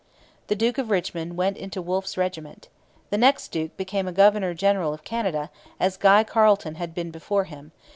The Duke of Richmond went into Wolfe's regiment. The next duke became a governor general of Canada, as Guy Carleton had been before him.